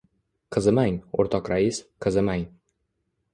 — Qizimang, o‘rtoq rais, qizimang.